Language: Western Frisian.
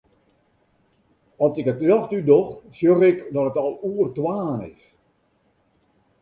At ik it ljocht útdoch, sjoch ik dat it al oer twaen is.